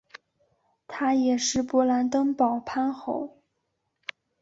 他也是勃兰登堡藩侯。